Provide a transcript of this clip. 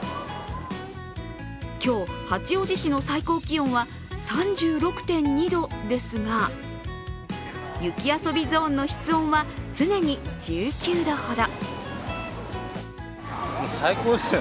今日、八王子市の最高気温は３６．２度ですが、雪遊びゾーンの室温は常に１９度ほど。